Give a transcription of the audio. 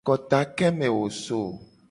Kota ke me wo so ?